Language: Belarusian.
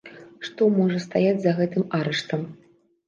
Што можа стаяць за гэтым арыштам?